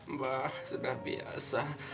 mbak sudah biasa